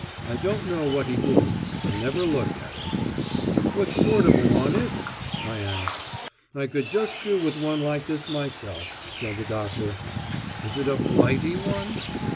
I don't know what he did. I never looked at it. "What sort of a one is it?" I asked. "I could just do with one like this myself," said the doctor. "Is it a Blighty one?"